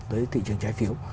tới thị trường trái phiếu